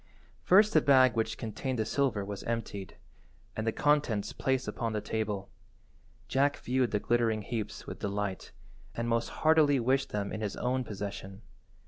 First the bag which contained the silver was emptied, and the contents placed upon the table. Jack viewed the glittering heaps with delight, and most heartily wished them in his own possession.